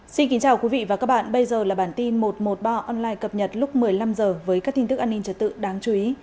xin kính chào quý vị và các bạn bây giờ là bản tin một trăm một mươi ba online cập nhật lúc một mươi năm h với các tin tức an ninh trật tự đáng chú ý